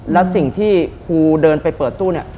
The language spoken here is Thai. แล้วสิ่งที่ครูเดินไปเปิดตู้เนี่ย